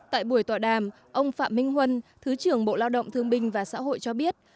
tại buổi tọa đàm ông phạm minh huân thứ trưởng bộ lao động thương binh và xã hội cho biết